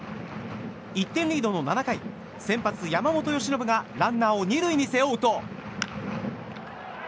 １点リードの７回先発、山本由伸がランナーを２塁に背負うと。